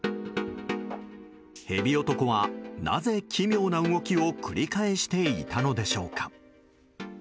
ヘビ男はなぜ奇妙な動きを繰り返していたのでしょうか。